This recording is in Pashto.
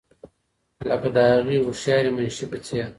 لکه د هغې هوښیارې منشي په څېر.